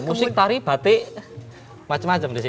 musik tari batik macam macam di sini